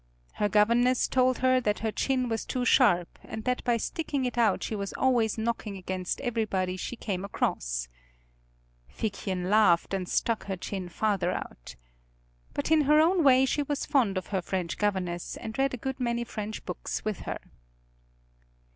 Her governess told her that her chin was too sharp, and that by sticking it out she was always knocking against everybody she came across. Figchen laughed and stuck her chin farther out. But in her own way she was fond of her French governess and read a good many French books with her.